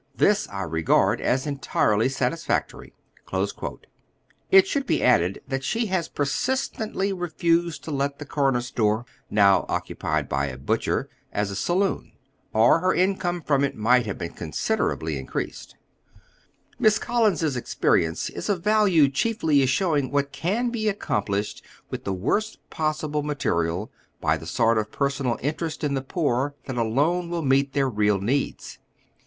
This I regard as entirely satisfactory." It should be added that she has persistently refused to let the oy Google HOW THE CASE STANDS. 287 comer store, now occupied by a butclier, as a saloon; or her income from it might liave been considerably in creased. Miss Ooliins's experience is o£ value chiefly as showing what can be accomplished with the worst possible mate rial, by the sort of personal interest in the poor that alone will meet their real needs.